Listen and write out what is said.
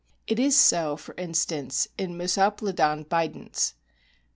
It is so, for instance, in Mesoplodon bidens.